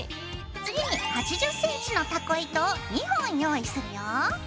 次に８０ｃｍのたこ糸を２本用意するよ。